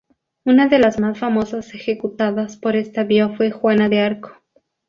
Una de las más famosas ejecutadas por esta vía fue Juana de Arco.